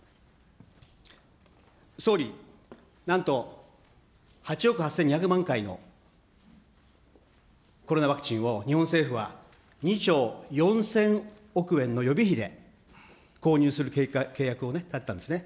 総理、なんと８億８２００万回のコロナワクチンを、日本政府は２兆４０００億円の予備費で購入する契約だったんですね。